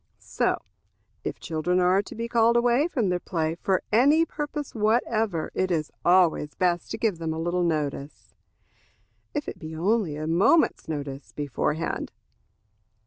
So, if children are to be called away from their play for any purpose whatever, it is always best to give them a little notice, if it be only a moment's notice, beforehand.